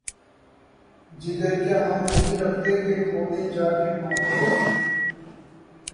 جگر کیا ہم نہیں رکھتے کہ‘ کھودیں جا کے معدن کو؟